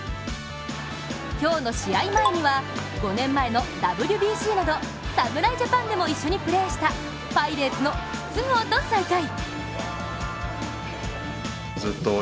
今日の試合前には、５年前のＷＢＣなど侍ジャパンでも一緒にプレーしたパイレーツの筒香と再会。